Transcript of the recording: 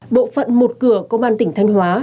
bộ phận một cửa công an tỉnh thanh hóa